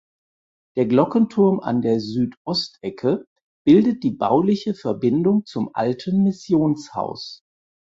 Der Glockenturm an der Südostecke bildet die bauliche Verbindung zum alten Missionshaus.